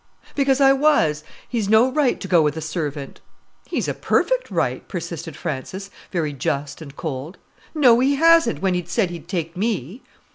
"Because I was; he's no right to go with a servant." "He's a perfect right," persisted Frances, very just and cold. "No, he hasn't, when he'd said he'd take me."